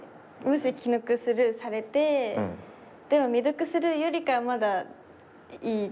もし既読スルーされてでも未読スルーよりかはまだいい？